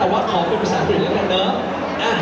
แต่ว่าขอเป็นภาษาอังกฤษแล้วกันเนอะ